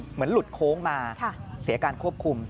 เหมือนหลุดโค้งมาเสียการควบคุม